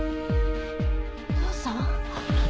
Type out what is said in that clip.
お父さん？